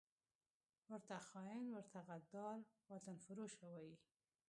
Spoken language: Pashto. ورته خاین، ورته غدار، وطنفروشه وايي